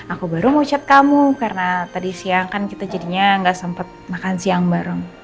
aku baru mau chat kamu karena tadi siang kan kita jadinya nggak sempat makan siang bareng